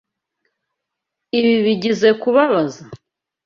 Ibi bigizoe kubabaza?